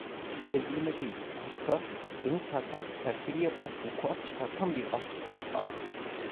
Sevgilime değil, aşka, beni sarsan, serseri yapan, vukuat çıkartan bir aşka aşıktım.